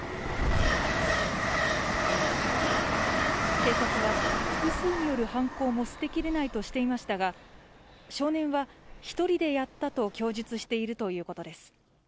警察は、複数による犯行も捨てきれないとしていましたが少年は１人でやったと供述しているということです。